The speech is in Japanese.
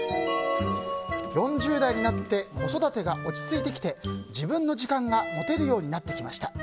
４０代になって子育てが落ち着いてきて自分の時間が持てるようになってきました。